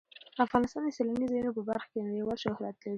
افغانستان د سیلانی ځایونه په برخه کې نړیوال شهرت لري.